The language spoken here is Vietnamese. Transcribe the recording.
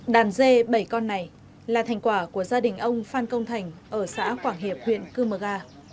đàn dê bảy con này là thành quả của gia đình ông phan công thành ở xã quảng hiệp huyện cư mờ ga